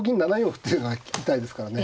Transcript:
歩っていうのは痛いですからね。